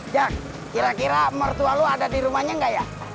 jak kira kira mertua lo ada di rumahnya nggak ya